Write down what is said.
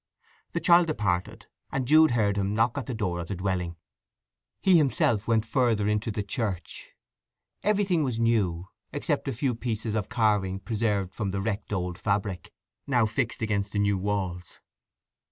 The child departed, and Jude heard him knock at the door of the dwelling. He himself went further into the church. Everything was new, except a few pieces of carving preserved from the wrecked old fabric, now fixed against the new walls.